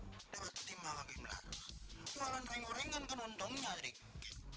walan ring ring kan kenontonnya sedikit